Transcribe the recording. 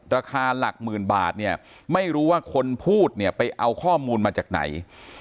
ราคาหลักหมื่นบาทเนี่ยไม่รู้ว่าคนพูดเนี่ยไปเอาข้อมูลมาจากไหน